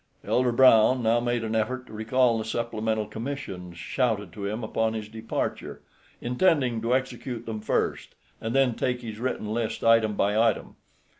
Elder Brown now made an effort to recall the supplemental commissions shouted to him upon his departure, intending to execute them first, and then take his written list item by item.